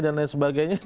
dan lain sebagainya